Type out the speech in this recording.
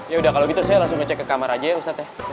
ya udah kalau gitu saya langsung ngecek ke kamar aja ya ustadz ya